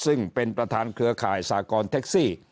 ซึ่งเป็นประธานเครือข่ายสากรแท็กซี่